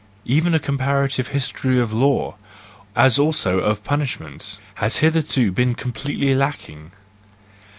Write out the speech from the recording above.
Even a comparative history of law, as also of punish¬ ment, has hitherto been completely lacking.